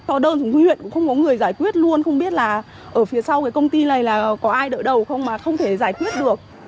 có đơn thì huyện cũng không có người giải quyết luôn không biết là ở phía sau cái công ty này là có ai đỡ đầu không mà không thể giải quyết được